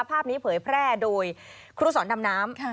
ภาพนี้เผยแพร่โดยครูสอนดำน้ำ